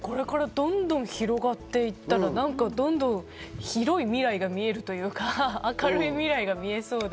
どんどん広がっていったら、広い未来が見えるというか明るい未来が見えそうで。